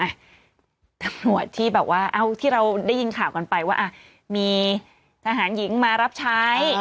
อักหนวดที่เราได้ยินข่าวกันไปว่ามีทหารหญิงมารับใช้